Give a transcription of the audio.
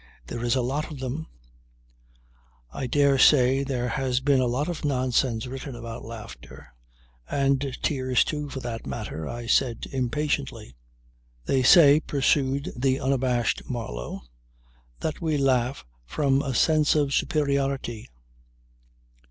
There is a lot of them ..." "I dare say there has been a lot of nonsense written about laughter and tears, too, for that matter," I said impatiently. "They say," pursued the unabashed Marlow, "that we laugh from a sense of superiority.